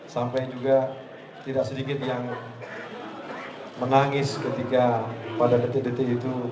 sampai juga tidak sedikit yang menangis ketika pada detik detik itu